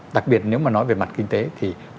đặc biệt nếu mà nói về mặt kinh tế thì